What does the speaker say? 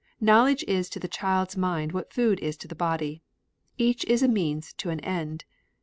Knowledge is to the child's mind what food is to the body. Each is a means to an end.